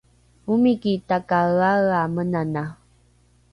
omiki takaeaea menanae